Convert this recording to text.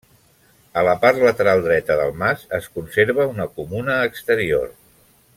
A la part lateral dreta del mas es conserva una comuna exterior.